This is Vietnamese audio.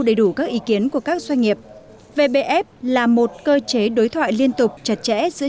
đầy đủ các ý kiến của các doanh nghiệp vbf là một cơ chế đối thoại liên tục chặt chẽ giữa